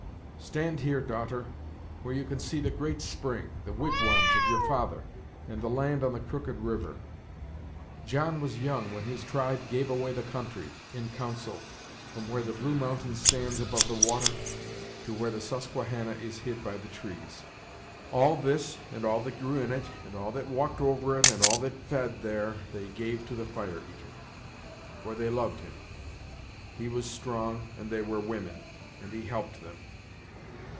"Stand here, daughter, where you can see the great spring, the wigwams of your father, and the land on the crooked river. John was young when his tribe gave away the country, in council, from where the blue mountain stands above the water, to where the Susquehanna is hid by the trees. All this, and all that grew in it, and all that walked over it, and all that fed there, they gave to the Fire eater for they loved him. He was strong, and they were women, and he helped them.